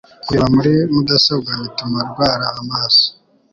kureba muri mudasobwa bituma rwara amaso